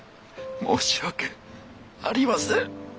申し訳ありません。